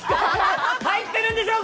入っているんでしょうか。